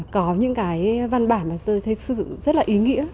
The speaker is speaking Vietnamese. có những cái văn bản mà tôi thấy sử dụng rất là ý nghĩa